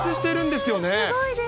すごいです。